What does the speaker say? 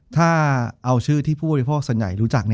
ถ้าเอาชื่อที่ผู้บริโภคส่วนใหญ่รู้จัก